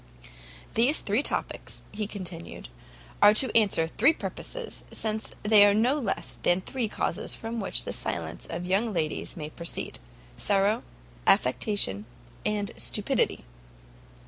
"These three topics," he continued, "are to answer three purposes, since there are no less than three causes from which the silence of young ladies may proceed: sorrow, affectation, and stupidity."